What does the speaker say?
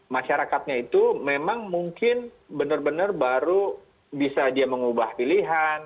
masyarakatnya itu memang mungkin benar benar baru bisa dia mengubah pilihan